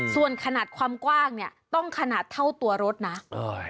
ส่วนขนาดความกว้างเนี่ยต้องขนาดเท่าตัวรถนะเออ